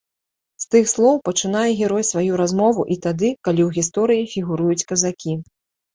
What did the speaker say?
З тых слоў пачынае герой сваю размову і тады, калі ў гісторыі фігуруюць казакі.